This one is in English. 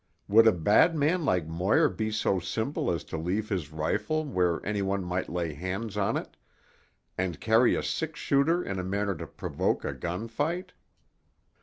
Would a bad man like Moir be so simple as to leave his rifle where any one might lay hands on it, and carry a six shooter in a manner to provoke a gun fight?